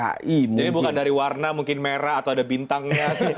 jadi bukan dari warna mungkin merah atau ada bintangnya